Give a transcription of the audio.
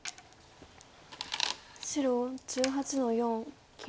白１８の四切り。